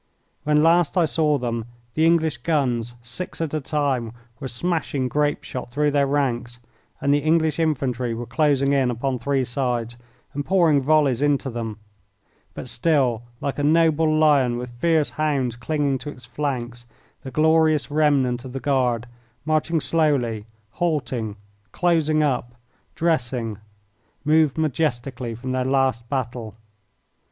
When last I saw them, the English guns, six at a time, were smashing grape shot through their ranks and the English infantry were closing in upon three sides and pouring volleys into them; but still, like a noble lion with fierce hounds clinging to its flanks, the glorious remnant of the Guard, marching slowly, halting, closing up, dressing, moved majestically from their last battle.